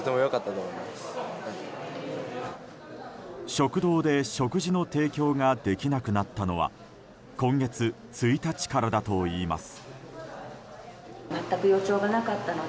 食堂で食事の提供ができなくなったのは今月１日からだといいます。